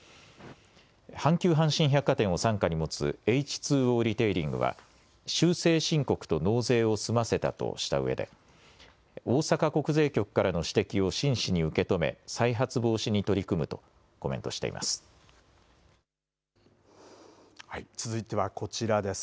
阪急阪神百貨店を傘下に持つエイチ・ツー・オーリテイリングは修正申告と納税を済ませたとしたうえで大阪国税局からの指摘を真摯に受け止め再発防止に取り組むと続いては、こちらです。